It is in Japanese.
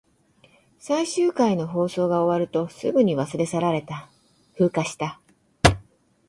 最終回の放送が終わると、すぐに忘れ去られた。風化した。